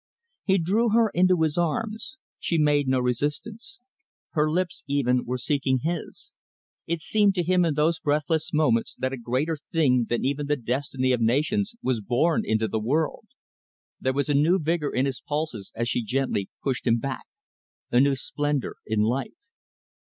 He drew her into his arms. She made no resistance. Her lips, even, were seeking his. It seemed to him in those breathless moments that a greater thing than even the destiny of nations was born into the world. There was a new vigour in his pulses as she gently pushed him back, a new splendour in life.